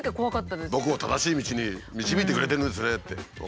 僕を正しい道に導いてくれてるんですねって。